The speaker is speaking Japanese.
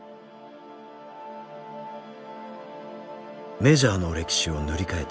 メジャーの歴史を塗り替えた